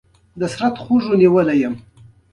بس دغه شان ژوند نه پرېږدي